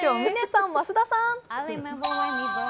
嶺さん、増田さん。